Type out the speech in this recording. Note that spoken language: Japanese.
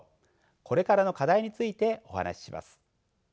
これからの課題についてお話しします。